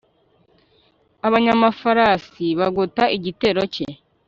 abanyamafarasi bagota igitero cye